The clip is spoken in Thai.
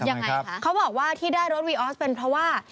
ยังไงคะเขาบอกว่าที่ได้รถวีออสเป็นเพราะว่า